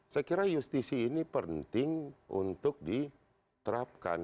saya kira justisi ini penting untuk diterapkan